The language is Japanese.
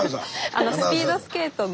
あのスピードスケートの。